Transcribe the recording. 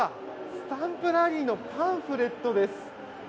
スタンプラリーのパンフレットです。